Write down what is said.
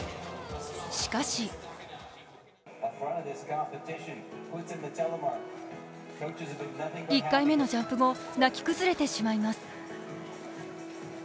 しかし１回目のジャンプ後、泣き崩れてしまいます。